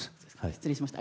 失礼しました。